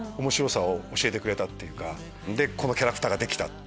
でこのキャラクターができた。